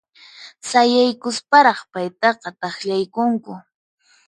Sayaykusparaq paytaqa t'aqllaykunku.